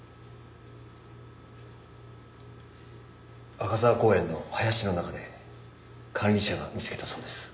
赤沢公園の林の中で管理者が見つけたそうです。